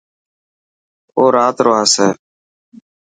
او رات رو آسي.